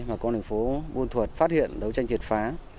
mà con thành phố vân thuật phát hiện đấu tranh triệt phá